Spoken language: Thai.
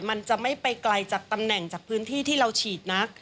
มันจะไม่ไปไกลจากตำแหน่งจากพื้นที่ที่เราฉีดนัก